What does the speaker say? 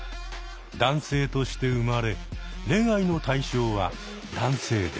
男性として生まれ恋愛の対象は男性です。